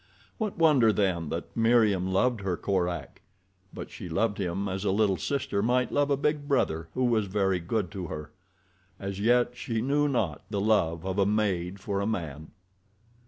What wonder then that Meriem loved her Korak? But she loved him as a little sister might love a big brother who was very good to her. As yet she knew naught of the love of a maid for a man.